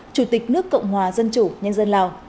chủ tịch nước cộng hòa dân chủ nhân dân lào